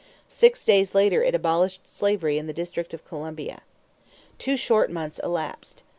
Six days later it abolished slavery in the District of Columbia. Two short months elapsed.